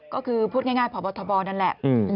ก็คือพูดง่ายพบทบนั่นแหละ